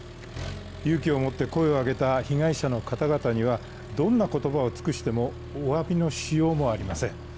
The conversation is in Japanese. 勇気を持って声を上げた被害者の方々には、どんな言葉を尽くしてもおわびのしようもありません。